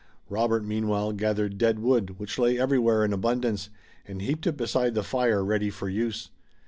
Robert meanwhile gathered dead wood which lay everywhere in abundance, and heaped it beside the fire ready for use.